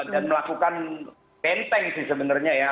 dan melakukan penteng sih sebenarnya ya